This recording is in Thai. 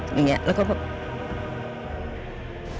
อย่างนี้แล้วก็แบบ